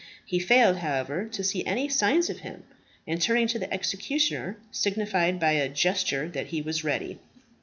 He failed, however, to see any signs of him, and turning to the executioner, signified by a gesture that he was ready.